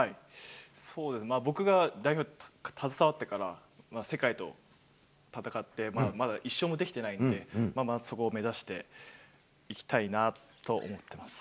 そうですね、僕が代表に携わってから、世界と戦ってまだ１勝もできてないんで、まずはそこを目指していきたいなと思ってます。